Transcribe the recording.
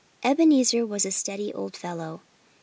Ebenezer was a steady old fellow.